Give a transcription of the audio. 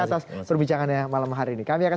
atas perbincangannya malam hari ini kami akan